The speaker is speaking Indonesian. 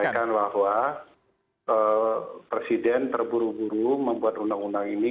saya sampaikan bahwa presiden terburu buru membuat undang undang ini